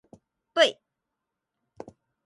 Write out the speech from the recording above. ｖ